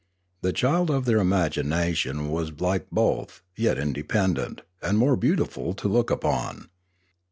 The child of their imagination was like both, yet inde pendent, and more beautiful to look upon.